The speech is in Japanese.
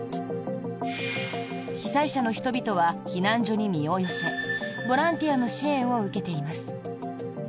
被災者の人々は避難所に身を寄せボランティアの支援を受けています。